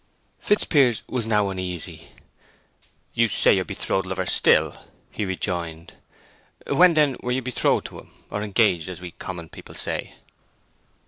Fitzpiers was now uneasy. "You say your betrothed lover still," he rejoined. "When, then, were you betrothed to him, or engaged, as we common people say?"